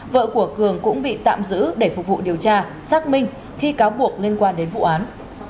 vợ của cường cũng bị tạm giữ để phục vụ điều tra xác minh khi cáo buộc liên quan đến vụ án